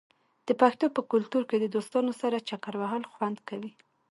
د پښتنو په کلتور کې د دوستانو سره چکر وهل خوند کوي.